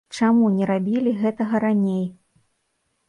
Чаму не рабілі гэтага раней?